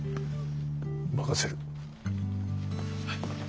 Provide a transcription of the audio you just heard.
任せる。